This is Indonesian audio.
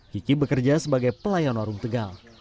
kiki bekerja sebagai pelayan warung tegal